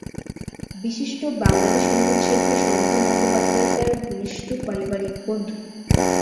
বিশিষ্ট বাঙালি সংগীতশিল্পী সন্ধ্যা মুখোপাধ্যায় তার ঘনিষ্ঠ পারিবারিক বন্ধু।